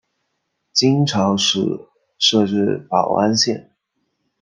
金朝时设置保安县。